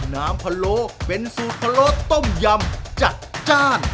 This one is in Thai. พะโลเป็นสูตรพะโล้ต้มยำจัดจ้าน